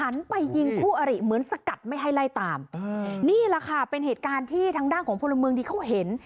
ในมือเขาถืออะไรรู้มั้ยคุณ